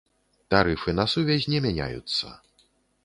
Тарыфы на сувязь не мяняюцца.